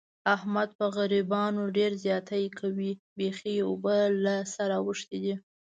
احمد په غریبانو ډېر زیاتی کوي. بیخي یې اوبه له سره اوښتې دي.